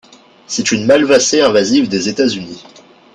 C'est une Malvacée invasive des États-Unis.